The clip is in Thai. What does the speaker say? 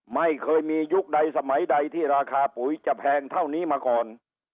ไม่เคยมียุคใดสมัยใดที่ราคาปุ๋ยจะแพงเท่านี้มาก่อน